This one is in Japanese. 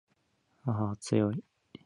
母は強い